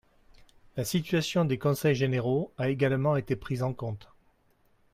La situation des conseils généraux a également été prise en compte.